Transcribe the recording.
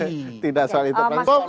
kalau nanti kalau ada keputusan mk